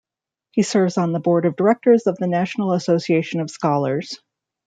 He serves on the board of directors of the National Association of Scholars.